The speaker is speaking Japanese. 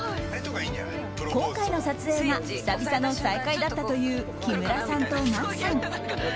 今回の撮影が久々の再会だったという木村さんと松さん。